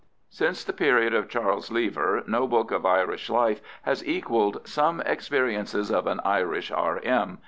Since the period of Charles Lever, no book of Irish life has equalled 'Some Experiences of an Irish R.M.